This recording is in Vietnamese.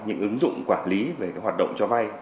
những ứng dụng quản lý về hoạt động cho vay